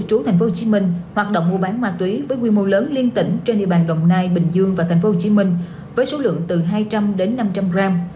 trú thành phố hồ chí minh hoạt động mua bán ma túy với quy mô lớn liên tỉnh trên địa bàn đồng nai bình dương và thành phố hồ chí minh với số lượng hai trăm linh năm trăm linh gram